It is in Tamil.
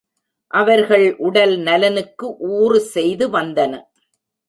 அவர்கள் உடல் நலனுக்கு ஊறு செய்து வந்தன.